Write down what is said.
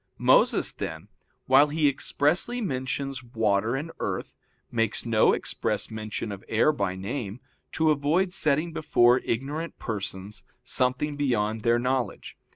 Moses, then, while he expressly mentions water and earth, makes no express mention of air by name, to avoid setting before ignorant persons something beyond their knowledge.